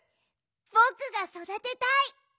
ぼくがそだてたい！